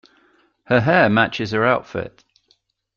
Her hair matches her outfit.